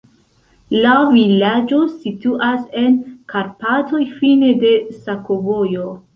La vilaĝo situas en Karpatoj, fine de sakovojo.